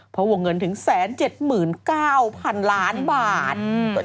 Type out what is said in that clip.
เพราะวงเงินถึง๑๗๙๐๐๐ล้านบาท